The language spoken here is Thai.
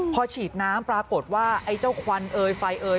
พอฉีดน้ำปรากฏว่าไอ้เจ้าควันเอยไฟเอย